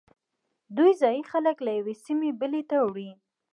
دوی ځایی خلک له یوې سیمې بلې ته وړي